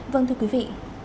vâng thưa quý vị